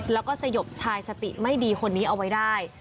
แล้วก็สยบชายสติไม่ดีคนนี้เอาไว้ได้